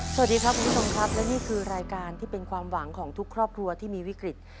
สวัสดีครับคุณผู้ชมครับและนี่คือรายการที่เป็นความหวังของทุกครอบครัวที่มีวิกฤต